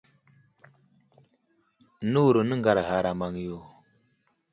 Nəwuro nəŋgar ama ge a maŋyo.